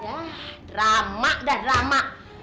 ya drama dah drama